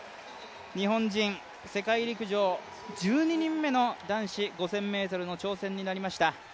日本人、世界陸上１２人目の男子５０００ｍの挑戦になりました。